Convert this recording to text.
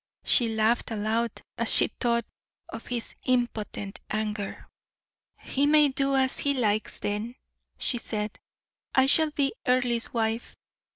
She laughed aloud as she thought of his impotent anger. "He may do as he likes then," she said; "I shall be Earle's wife.